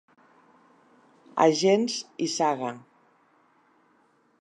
Agents i Saga.